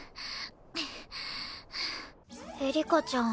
エリカちゃん